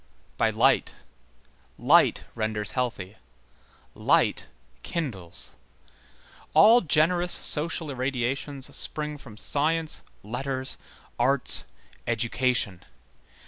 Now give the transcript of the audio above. By light. Light renders healthy. Light kindles. All generous social irradiations spring from science, letters, arts, education.